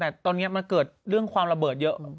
แต่ตอนนี้มันเกิดเรื่องความระเบิดเยอะ